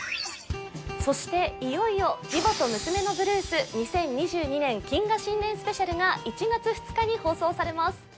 そしていよいよ「義母と娘のブルース２０２２年謹賀新年スペシャル」が１月２日に放送されます